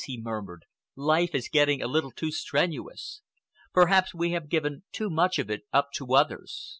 he murmured, "life is getting a little too strenuous. Perhaps we have given too much of it up to others.